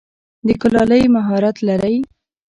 د کلالۍ مهارت لری؟